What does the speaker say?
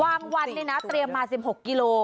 วันนี่นะเตรียมมา๑๖กิโล